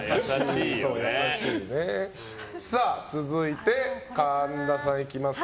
続いて、神田さんいきますか。